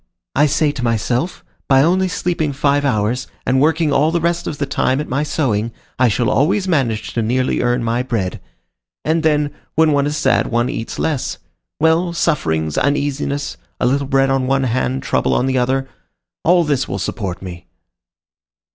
I say to myself, by only sleeping five hours, and working all the rest of the time at my sewing, I shall always manage to nearly earn my bread. And, then, when one is sad, one eats less. Well, sufferings, uneasiness, a little bread on one hand, trouble on the other,—all this will support me."